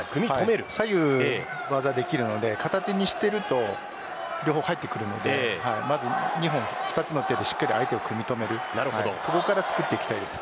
左右の技ができるので片手にしていると両方入ってくるのでまず２つの手でしっかり止めるそこからつくっていきたいです。